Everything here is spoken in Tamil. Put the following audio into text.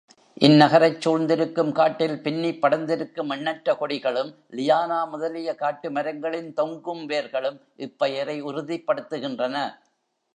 இந்நகரைச் சூழ்ந்திருக்கும் காட்டில், பின்னிப் படர்ந்திருக்கும் எண்ணற்ற கொடிகளும், லியானா முதலிய காட்டுமரங்களின் தொங்கும் வேர்களும், இப்பெயரை உறுதிப்படுத்துகின்றன.